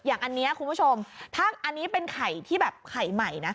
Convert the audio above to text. อย่างอันนี้คุณผู้ชมถ้าอันนี้เป็นไข่ที่แบบไข่ใหม่นะ